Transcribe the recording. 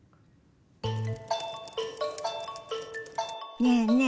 ねえねえ